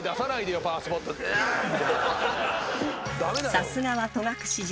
［さすがは戸隠神社］